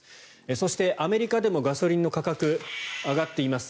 そしてアメリカでもガソリンの価格が上がっています